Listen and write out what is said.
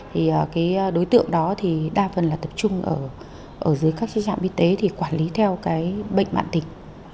thì cái đối tượng đó thì đa phần là tập trung ở dưới các trạm y tế thì quản lý theo cái bệnh mạng tính